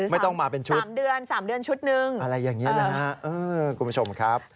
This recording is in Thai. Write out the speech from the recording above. ไม่ต้องมาเป็นชุดอะไรอย่างนี้นะครับคุณผู้ชมครับ